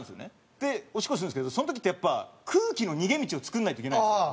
でおしっこするんですけどその時ってやっぱ空気の逃げ道を作んないといけないんですよ。